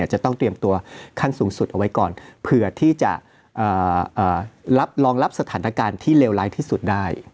จะต้องปลอดภัยเอาไว้ก่อนเผื่อที่จะรองรับสถานการณ์ที่เลวร้ายที่สุดได้